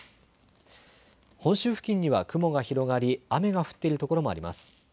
本州付近には雲が広がり雨が降っているところもあります。